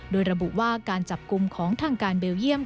โดยระบุว่าการจับกลุ่มของทางการเบลเยี่ยม